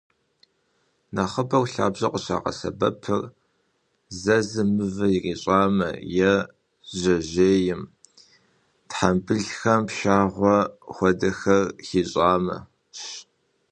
Нэхъыбэу лъабжьэр къыщагъэсэбэпыр зэзым мывэ ирищӏамэ, е жьэжьейм, тхьэмбылхэм пшахъуэ хуэдэхэр хищӏамэщ.